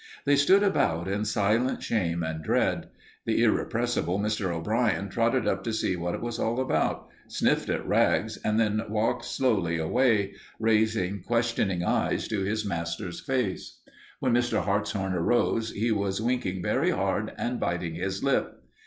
They stood about in silent shame and dread. The irrepressible Mr. O'Brien trotted up to see what it was all about, sniffed at Rags, and then walked slowly away, raising questioning eyes to his master's face. When Mr. Hartshorn arose he was winking very hard and biting his lip.